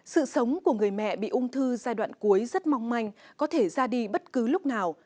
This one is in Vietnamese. sự sống của người mẹ bị ung thư giai đoạn cuối rất mong manh có thể ra đi bất cứ lúc nào